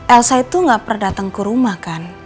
elsa itu gak pernah datang ke rumah kan